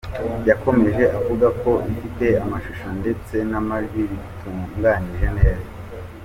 Yakomeje avuga ko ifite amashusho ndetse n’amajwi bitunganyijwe neza.